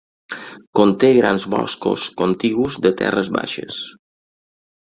Conté grans boscos contigus de terres baixes.